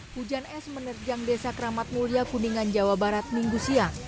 hujan es menerjang desa keramat mulia kuningan jawa barat minggu siang